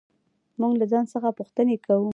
موږ له ځان څخه پوښتنې کوو.